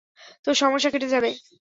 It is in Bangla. তোর সমস্যা কেটে যাবে।